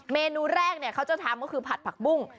เมนูแรกเขาจะทำก็คือผัดผักบุ้ง